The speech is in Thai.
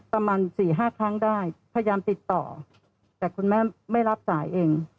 ประมาณสี่ห้าครั้งได้พยายามติดต่อแต่คุณแม่ไม่รับสายเอง